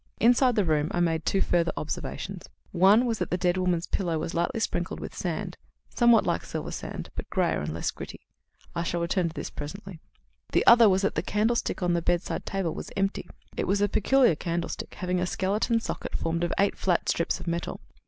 Inside the room I made two further observations. One was that the dead woman's pillow was lightly sprinkled with sand, somewhat like silver sand, but greyer and less gritty. I shall return to this presently. "The other was that the candlestick on the bedside table was empty. It was a peculiar candlestick, having a skeleton socket formed of eight flat strips of metal.